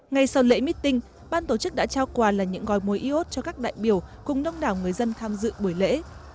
ngay sau lễ meeting ban tổ chức đã trao quà là những gói mối iốt cho các đại biểu cùng đông đảo người dân tham dự buổi lễ